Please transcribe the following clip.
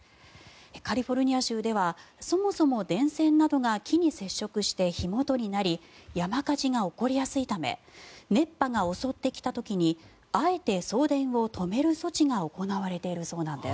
カリフォルニア州ではそもそも電線などが木に接触して火元になり山火事が起こりやすいため熱波が襲ってきた時にあえて送電を止める措置が行われているそうなんです。